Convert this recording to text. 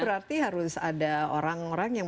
berarti harus ada orang orang yang